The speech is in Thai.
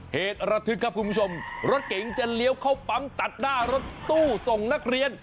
เหตุระทึกครับคุณผู้ชมรถเก๋งจะเลี้ยวเข้าปั๊มตัดหน้ารถตู้ส่งนักเรียน